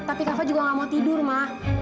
tapi kafa juga nggak mau tidur ma